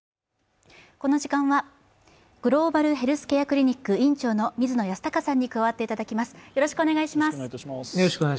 この時間はグローバルヘルスケアクリニック院長の水野泰孝さんに加わっていただきます。